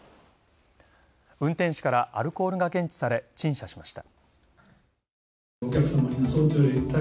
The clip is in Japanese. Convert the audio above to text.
運転士からアルコールが検知され陳謝しました。